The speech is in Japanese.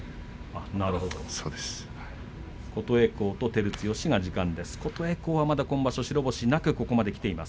琴恵光、照強が時間です。